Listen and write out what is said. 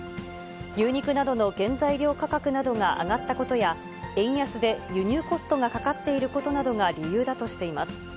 牛肉などの原材料価格などが上がったことや、円安で輸入コストがかかっていることなどが理由だとしています。